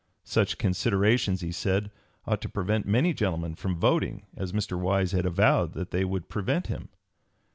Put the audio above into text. Such considerations, he said, ought to prevent many gentlemen from voting, as Mr. Wise had avowed that they would prevent him.